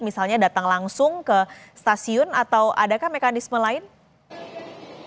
misalnya datang langsung ke stasiun atau adakah mekanisme lain ya pas kali selalu ternyata itu